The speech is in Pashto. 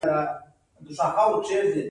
الله ج د هر څه خالق او رازق دی